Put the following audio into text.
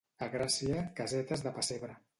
A Gràcia, casetes de pessebre.